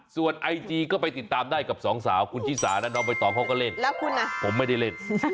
ส่วนไอจีก็ไปติดตามได้กับสองสาวคุณชิสาและน้องใบตองเขาก็เล่นแล้วคุณผมไม่ได้เล่น